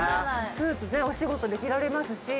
スーツねえお仕事で着られますし。